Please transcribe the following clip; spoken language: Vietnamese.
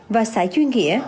và xã duy nghĩa